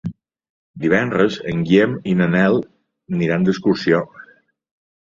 Divendres en Guillem i en Nel iran d'excursió.